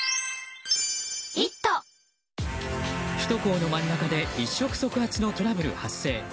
首都高の真ん中で一触即発のトラブル発生。